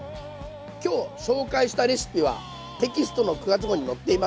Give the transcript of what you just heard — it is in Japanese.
今日紹介したレシピはテキストの９月号に載っています。